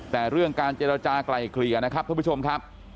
แต่เรื่องการเจรจากลายเกลี่ยนะครับท่านผู้ชมครับ